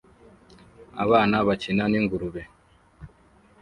Abana bakina n'ingurube